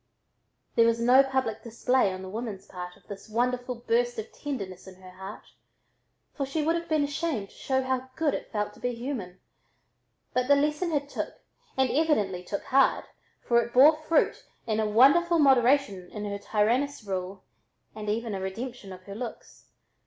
There was no public display on the woman's part of this wonderful burst of tenderness in her heart, for she would have been ashamed to show how good it felt to be human, but the lesson had "took" and evidently "took hard," for it bore fruit in a wonderful moderation in her tyrannous rule and even a redemption of her looks.